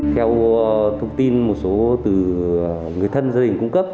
theo thông tin một số từ người thân dân